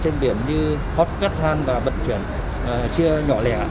trên biển như hot cát than và vận chuyển chia nhỏ lẻ